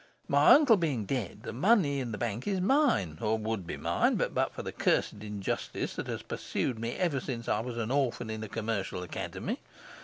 'My uncle being dead, the money in the bank is mine, or would be mine but for the cursed injustice that has pursued me ever since I was an orphan in a commercial academy.